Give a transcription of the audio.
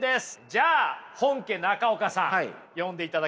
じゃあ本家中岡さん読んでいただけますか。